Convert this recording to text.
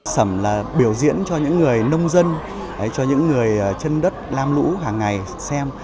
sầm là biểu diễn cho những người nông dân cho những người chân đất lam lũ hàng ngày xem